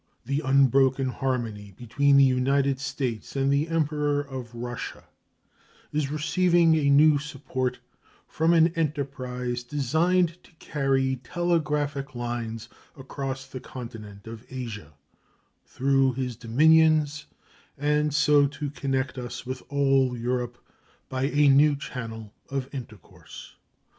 The unbroken harmony between the United States and the Emperor of Russia is receiving a new support from an enterprise designed to carry telegraphic lines across the continent of Asia, through his dominions, and so to connect us with all Europe by a new channel of intercourse.